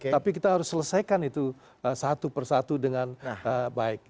tapi kita harus selesaikan itu satu persatu dengan baik